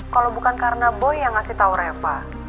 kalau bukan karena boy yang ngasih tau reva